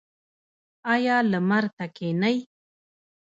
ایا لمر ته کینئ؟